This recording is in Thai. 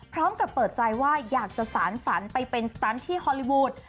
พร้อมกับเปิดใจว่าอยากจะสารฝันไปเป็นสตันที่ฮอลลีวูด